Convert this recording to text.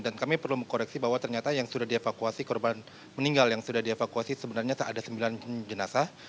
dan kami perlu mengkoreksi bahwa ternyata yang sudah dievakuasi korban meninggal yang sudah dievakuasi sebenarnya ada sembilan jenazah